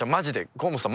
河本さん